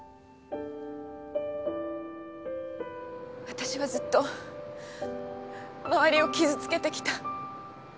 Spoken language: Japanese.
私はずっと周りを傷つけてきた。